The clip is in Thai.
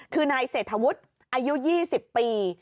คือนายเศรษฐวุฒิอายุ๒๐ปี